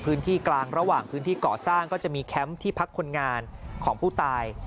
พื้นที่กลางระหว่างพื้นที่ก่อสร้างก็จะมีแคมป์ที่พักคนงานของผู้ตาย